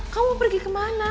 kamu mau pergi kemana